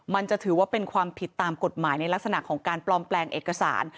มันจะถือว่าเป็นความผิดตามกฎหมายในลักษณะของการปลอมแปลงเอกสาร